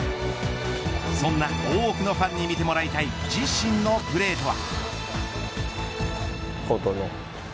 そんな多くのファンに見てもらいたい自身のプレーとは。